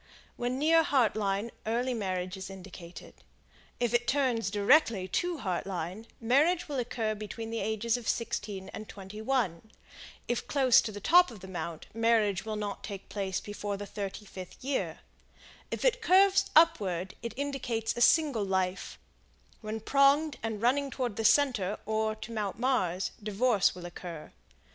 When near Heart Line early marriage is indicated; if it turns directly to Heart Line, marriage will occur between the ages of 16 and 21; if close to the top of the mount, marriage will not take place before the 35th year; if it curves upward it indicates a single life; when pronged and running toward the center or to Mount Mars, divorce will occur.